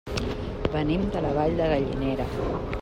Venim de la Vall de Gallinera.